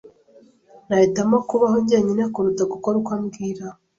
Nahitamo kubaho njyenyine kuruta gukora uko ambwira.